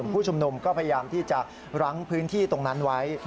ผู้ชุมนุมก็พยายามที่จะรั้งพื้นที่ตรงนั้นไว้